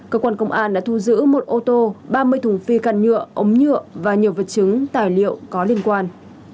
cơ quan công an đã thu giữ một ô tô ba mươi thùng phi căn nhựa ống nhựa và nhiều vật chứng tài liệu có liên quan